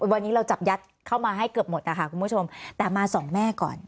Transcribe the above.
วันนี้เราจับยัดเข้ามาให้เกือบหมดนะคะคุณผู้ชมแต่มาสองแม่ก่อน